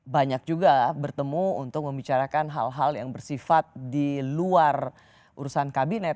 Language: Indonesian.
banyak juga bertemu untuk membicarakan hal hal yang bersifat di luar urusan kabinet